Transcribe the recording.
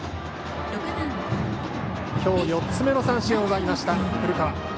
今日４つ目の三振を奪った古川。